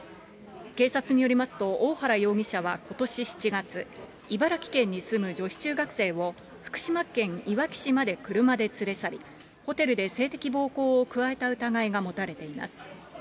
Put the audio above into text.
警察によりますと、大原容疑者はことし７月、茨城県に住む女子中学生を福島県いわき市まで車で連れ去り、ホテルで性的暴行を加えた疑いが持たれています。